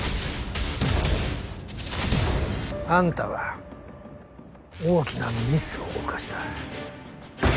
あんたは大きなミスを犯した。